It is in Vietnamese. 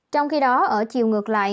trong khi đó ở chiều ngược lại